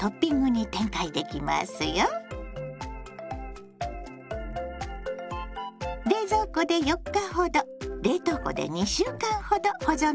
冷蔵庫で４日ほど冷凍庫で２週間ほど保存できますよ。